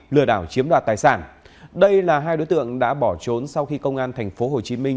lừa đảo chiếm đoạt tài sản đây là hai đối tượng đã bỏ trốn sau khi công an thành phố hồ chí minh